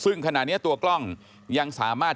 ซึ่งขณะนี้ตัวกล้องยังสามารถ